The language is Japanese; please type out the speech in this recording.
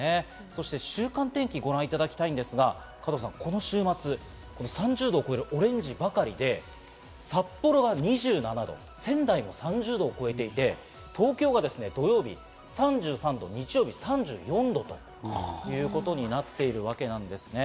そして週間天気、ご覧いただきたいんですが、この週末、３０度を超えるオレンジばかりで、札幌は２７度、仙台も３０度を超えていて、東京が土曜日３３度、日曜日３４度ということになっているわけなんですね。